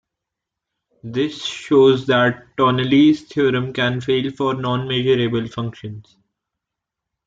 This shows that Tonelli's theorem can fail for non-measurable functions.